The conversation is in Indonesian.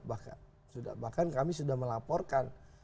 bahkan kami sudah melaporkan